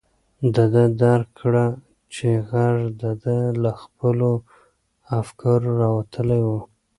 ده درک کړه چې غږ د ده له خپلو افکارو راوتلی و.